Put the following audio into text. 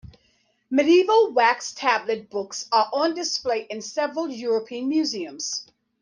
Medieval wax tablet books are on display in several European museums.